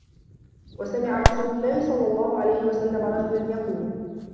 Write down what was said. وَسَمِعَ رَسُولُ اللَّهِ صَلَّى اللَّهُ عَلَيْهِ وَسَلَّمَ رَجُلًا يَقُولُ